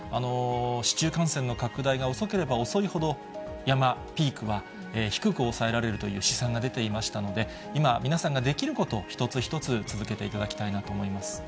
市中感染の拡大が遅ければ遅いほど、山、ピークは低く抑えられるという試算が出ていましたので、今、皆さんができることを一つ一つ続けていただきたいなと思います。